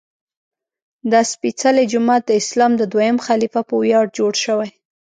دا سپېڅلی جومات د اسلام د دویم خلیفه په ویاړ جوړ شوی.